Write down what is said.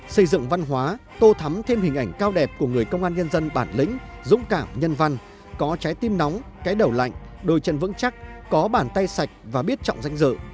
xây dựng văn hóa tô thắm thêm hình ảnh cao đẹp của người công an nhân dân bản lĩnh dũng cảm nhân văn có trái tim nóng cái đầu lạnh đôi chân vững chắc có bàn tay sạch và biết trọng danh dự